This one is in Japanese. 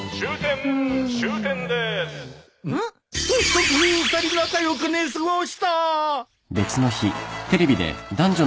早速２人仲良く寝過ごした！